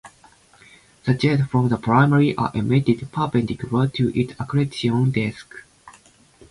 The jets from the primary are emitted perpendicular to its accretion disk.